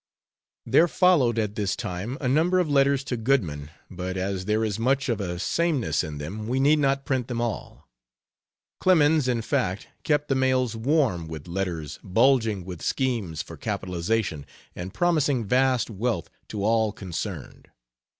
There followed at this time a number of letters to Goodman, but as there is much of a sameness in them, we need not print them all. Clemens, in fact, kept the mails warm with letters bulging with schemes for capitalization, and promising vast wealth to all concerned.